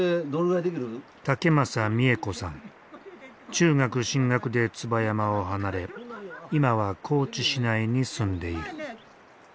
中学進学で椿山を離れ今は高知市内に住んでいる。